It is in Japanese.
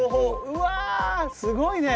うわすごいね！